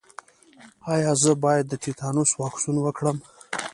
ایا زه باید د تیتانوس واکسین وکړم؟